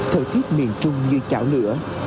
thời tiết miền trung như chảo lửa